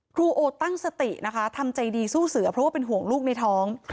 โอตั้งสตินะคะทำใจดีสู้เสือเพราะว่าเป็นห่วงลูกในท้อง